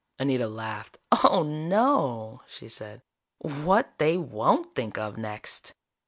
Anita laughed. "Oh, no!" she said. "What they won't think of next!"